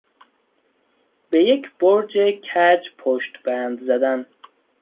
به یک برج کج پشتبند زدن